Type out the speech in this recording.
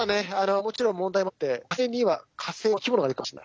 もちろん問題もあって火星には火星の生き物がいるかもしれない。